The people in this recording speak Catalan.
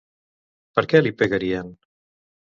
Per què li pegarien?